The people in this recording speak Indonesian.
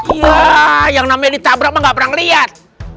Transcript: iya yang namanya ditabrak emang gak pernah liat